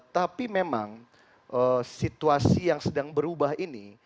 tapi memang situasi yang sedang berubah ini